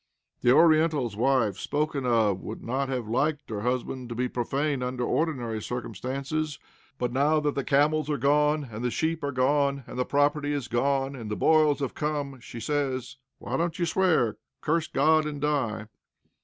The Oriental's wife spoken of would not have liked her husband to be profane under ordinary circumstances, but now that the camels are gone, and the sheep are gone, and the property is gone, and the boils have come, she says: "Why don't you swear? Curse God and die!"